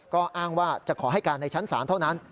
ก็อ้างว่าจะขอให้การในชั้นศาลเท่านั้น